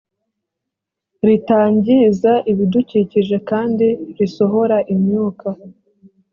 ritangiza ibidukikije kandi risohora imyuka